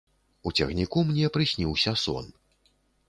У цягніку мне прысніўся сон.